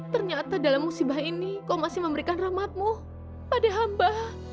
ternyata dalam musibah ini kau masih memberikan rahmatmu pada hamba